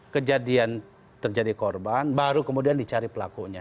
kejadian terjadi korban baru kemudian dicari pelakunya